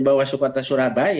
bawaslu kota surabaya